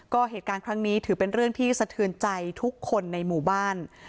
ก็เหตุการณ์ครั้งนี้ถือเป็นเรื่องที่สะเทือนใจทุกคนในหมู่บ้าน